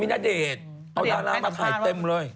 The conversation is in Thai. ณเดชน์เอาดารามาถ่ายเต็มเลย